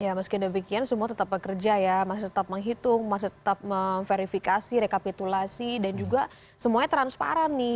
ya meskipun demikian semua tetap bekerja ya masih tetap menghitung masih tetap memverifikasi rekapitulasi dan juga semuanya transparan nih